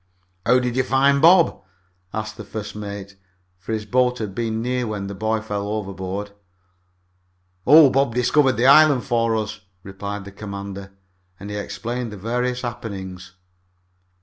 "How did you find Bob?" asked the first mate, for his boat had been near when the boy fell overboard. "Oh, Bob discovered the island for us," replied the commander, and he explained the various happenings.